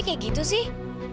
gak kayak gitu sih